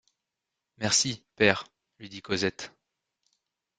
Merci, père! lui dit Cosette.